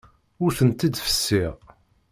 Ur tent-id-fessiɣ.